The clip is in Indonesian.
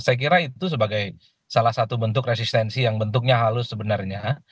saya kira itu sebagai salah satu bentuk resistensi yang bentuknya halus sebenarnya